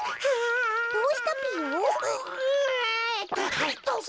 はいどうぞ。